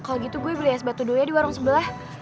kalau gitu gue beli es batu dulu ya di warung sebelah